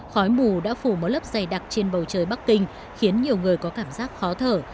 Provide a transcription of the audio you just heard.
khói mù đã phủ một lớp dày đặc trên bầu trời bắc kinh khiến nhiều người có cảm giác khó thở